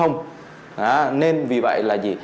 nên vì vậy là gì